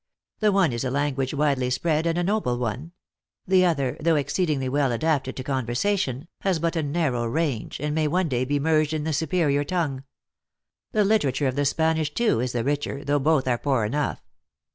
The one is a language wide ly spread and a noble one. The other, though exceed ingly well adapted to. conversation, has but a narrow range, and may one day be merged in the superior tongue. The literature of the Spanish, too, is the richer, though both are poor enough."